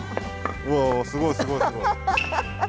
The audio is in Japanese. うわすごいすごいすごい。